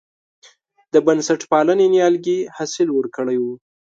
د بنسټپالنې نیالګي حاصل ورکړی و.